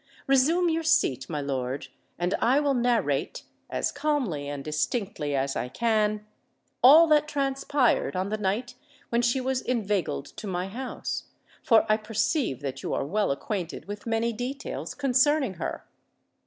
"Resume your seat, my lord—and I will narrate, as calmly and distinctly as I can, all that transpired on the night when she was inveigled to my house;—for I perceive that you are well acquainted with many details concerning her."